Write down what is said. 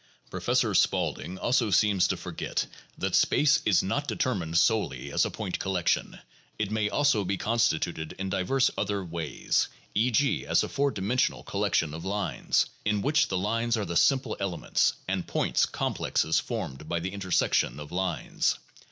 Professor Spaulding also seems to forget that space is not determined solely as a point collection ; it may also be constituted in diverse other ways, e. g., as a four dimensional collection of lines, in which the lines are the simple elements and points complexes formed by the intersection of lines.